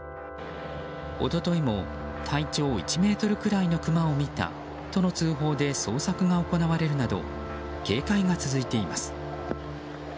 おとといも体長１ｍくらいのクマを見たとの通報で捜索が行われるなど警戒が続いています。